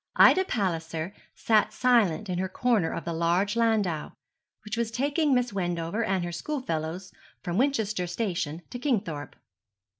Ida Palliser sat silent in her corner of the large landau which was taking Miss Wendover and her schoolfellows from Winchester station to Kingthorpe.